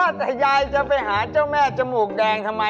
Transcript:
แต่ยายจะไปหาเจ้าแม่จมูกแดงทำไม